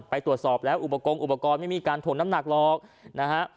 ตรวจสอบแล้วอุปกรณ์อุปกรณ์ไม่มีการถมน้ำหนักหรอกนะฮะ